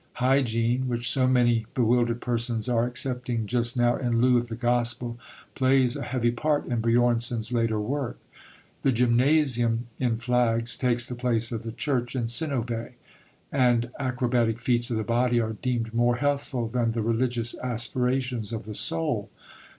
Hygiene, which so many bewildered persons are accepting just now in lieu of the Gospel, plays a heavy part in Björnson's later work. The gymnasium in Flags takes the place of the church in Synnövé; and acrobatic feats of the body are deemed more healthful than the religious aspirations of the soul.